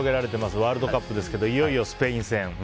ワールドカップですけどいよいよスペイン戦。